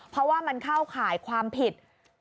เพราะว่ามันเข้าข่ายความผิด